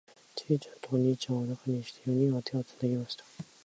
ちいちゃんとお兄ちゃんを中にして、四人は手をつなぎました。